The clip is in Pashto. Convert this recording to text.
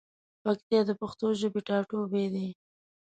پکتیا د پښتو ژبی ټاټوبی دی.